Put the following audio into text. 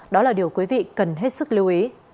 đó là điều quý vị cần hết sức lưu ý